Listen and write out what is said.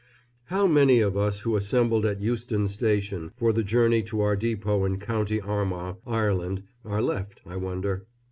How many of us who assembled at Euston Station for the journey to our depot in County Armagh, Ireland, are left, I wonder?